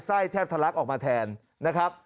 แทบทะลักออกมาแทนนะครับ